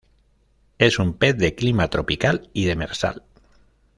Es un pez de Clima tropical y demersal.